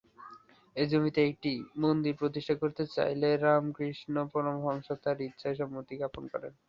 এই জমিতে একটি মন্দির প্রতিষ্ঠা করতে চাইলে রামকৃষ্ণ পরমহংস তার ইচ্ছায় সম্মতি জ্ঞাপন করেন।